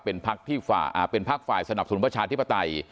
เป็นภักดิ์ฝ่ายสนับสนุนประชาธิปไตย